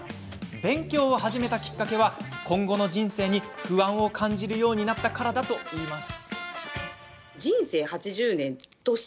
勉強を始めたきっかけは今後の人生に不安を感じるようになったからだといいます。